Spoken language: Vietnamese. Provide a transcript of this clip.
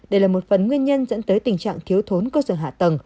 đây là một phần nguyên nhân dẫn tới tình trạng thiếu thốn cơ sở hạ tầng